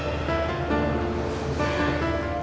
ah anak susah